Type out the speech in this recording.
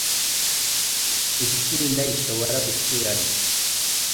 Iri tsinda rishobora guterana